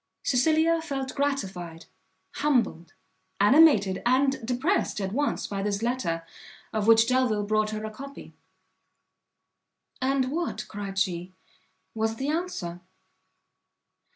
Cecilia felt gratified, humbled, animated and depressed at once by this letter, of which Delvile brought her a copy. "And what," cried she, "was the answer?"